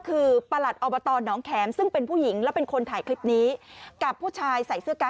คือเอาอย่างนี้คุณผู้ชมในคลิปเนี่ยบางคนไม่ได้ดูตั้งแต่ต้นเนี่ยอาจจะงงนะฮะ